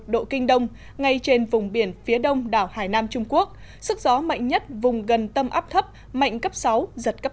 một trăm một mươi một độ kinh đông ngay trên vùng biển phía đông đảo hải nam trung quốc sức gió mạnh nhất vùng gần tầm áp thấp mạnh cấp sáu giật cấp tám